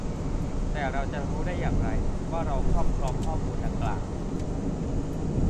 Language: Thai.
แต่เราจะรู้ได้อย่างไร ว่าเราครอบครองข้อมูลดังกล่าว ?